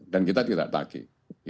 dan kita tidak tagih